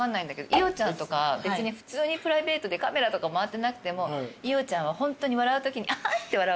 伊代ちゃんとか別に普通にプライベートでカメラとか回ってなくても伊代ちゃんはホントに笑うときに「アハ」って笑う。